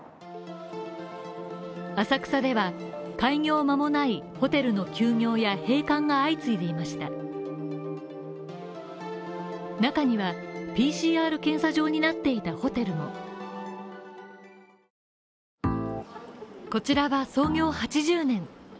浅草では開業間もないホテルの休業や閉館が相次いでいました中にはＰＣＲ検査場になっていたホテルもこちらは創業８０年。